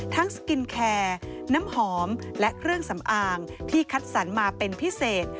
สกินแคร์น้ำหอมและเครื่องสำอางที่คัดสรรมาเป็นพิเศษ